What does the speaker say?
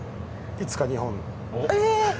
いつか日本。